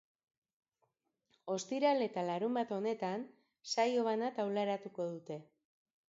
Ostiral eta larunbat honetan saio bana taularatuko dute.